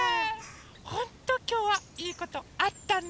ほんときょうはいいことあったね。